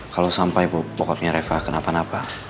kalau sampai pokoknya reva kenapa napa